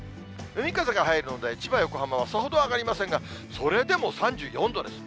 海風が入るので千葉、横浜はさほど上がりませんが、それでも３４度です。